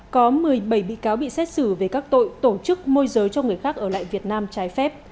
có một mươi bảy bị cáo bị xét xử về các tội tổ chức môi giới cho người khác ở lại việt nam trái phép